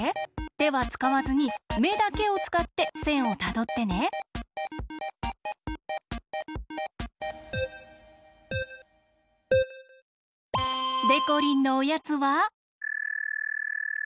てはつかわずにめだけをつかってせんをたどってね。でこりんのおやつは。